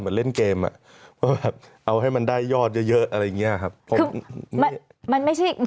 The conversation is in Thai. เหมือนเล่นเกมเอาให้มันได้ยอดเยอะอะไรอย่างนี้ครับ